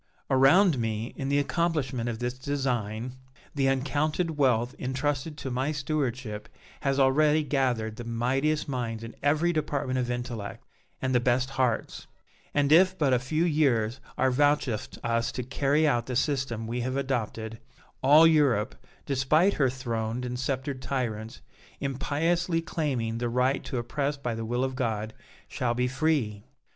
Around me, in the accomplishment of this design, the uncounted wealth intrusted to my stewardship has already gathered the mightiest minds in every department of intellect, and the best hearts; and if but a few years are vouchsafed us to carry out the system we have adopted, all Europe, despite her throned and sceptred tyrants, impiously claiming the right to oppress by the will of God, shall be free!